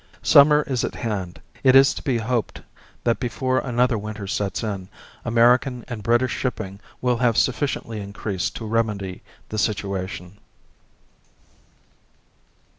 Summer is at hand. It is to be hoped that before another winter sets in, American and British shipping will have sufficiently increased to remedy the situation.